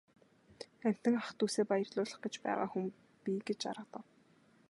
Амьтан ах дүүсээ баярлуулах гэж байгаа хүн би гэж аргадав.